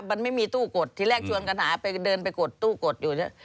มันไม่มีตู้กดทีแรกชวนกันหาไปเดินไปกดตู้กดอยู่เนี่ย